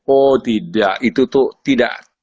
oh tidak itu tuh tidak